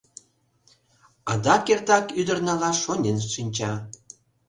Адак эртак ӱдыр налаш шонен шинча...